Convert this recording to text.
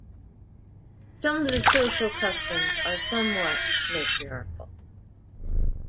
Some of the social customs are somewhat matriarchal.